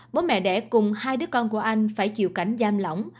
bố mẹ đẻ cùng hai đứa con của anh phải chịu cảnh giam lỏng